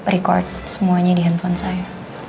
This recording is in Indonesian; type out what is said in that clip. record semuanya di handphone saya